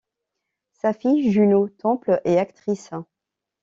Sa fille Juno Temple est actrice.